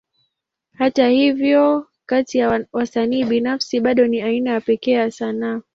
Hata hivyo, kati ya wasanii binafsi, bado ni aina ya pekee ya sanaa.